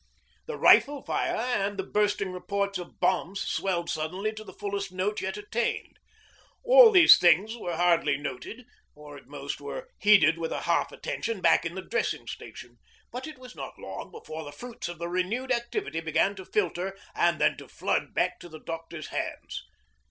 The rifle fire and the bursting reports of bombs swelled suddenly to the fullest note yet attained. All these things were hardly noted, or at most were heeded with a half attention, back in the dressing station, but it was not long before the fruits of the renewed activity began to filter and then to flood back to the doctor's hands.